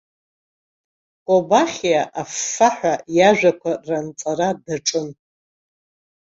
Кобахьиа аффаҳәа иажәақәа ранҵара даҿын.